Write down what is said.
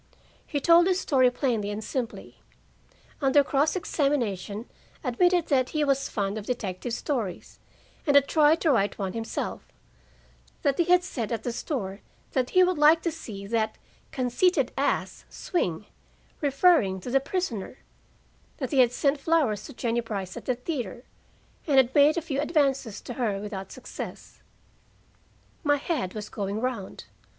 He told his story plainly and simply. Under cross examination admitted that he was fond of detective stories and had tried to write one himself; that he had said at the store that he would like to see that "conceited ass" swing, referring to the prisoner; that he had sent flowers to Jennie Brice at the theater, and had made a few advances to her, without success. My head was going round.